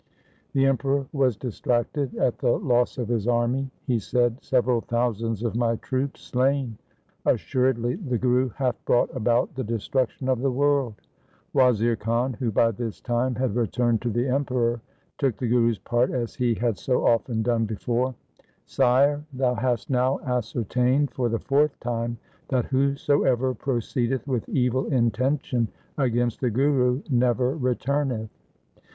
The Emperor was distracted at the loss of his army. He said, ' Several thousands of my troops slain ! Assuredly the Guru hath brought about the destruc tion of the world !' Wazir Khan, who by this time had returned to the Emperor, took the Guru's part as he had so often done before. ' Sire, thou hast now ascertained for the fourth time that whosoever proceedeth with evil intention against the Guru, never returneth.